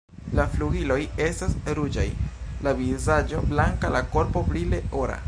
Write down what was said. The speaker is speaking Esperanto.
La flugiloj estas ruĝaj, la vizaĝo blanka, la korpo brile ora.